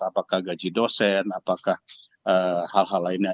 apakah gaji dosen apakah hal hal lainnya